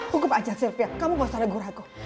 hukum aja sylvia kamu pasal agur agur